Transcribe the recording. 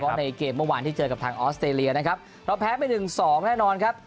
ในเกมเมื่อวานที่เจอกับทางออสเตรเลียนะครับเราแพ้ไปหนึ่งสองแน่นอนครับ